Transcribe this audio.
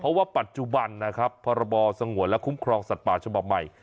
เพราะว่าปัจจุบันนะครับพรบสงวนและคุ้มครองสัตว์ป่าฉบับใหม่